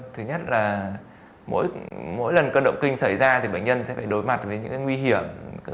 thứ nhất là mỗi lần cơn động kinh xảy ra thì bệnh nhân sẽ phải đối mặt với những nguy hiểm